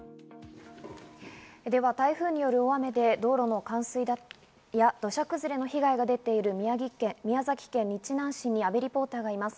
では、台風による大雨で道路の冠水や土砂崩れの被害が出ている宮崎県日南市に阿部リポーターがいます。